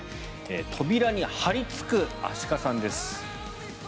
扉に張りつくアシカさんです。